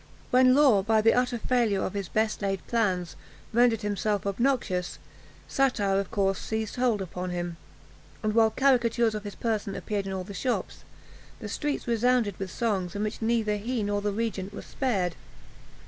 When Law, by the utter failure of his best laid plans, rendered himself obnoxious, satire of course seized hold upon him; and while caricatures of his person appeared in all the shops, the streets resounded with songs, in which neither he nor the regent was spared.